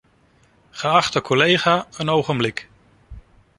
Geachte collega, een ogenblik.